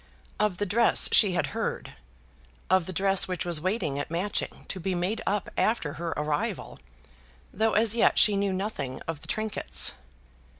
Of the dress she had heard, of the dress which was waiting at Matching to be made up after her arrival, though as yet she knew nothing of the trinkets.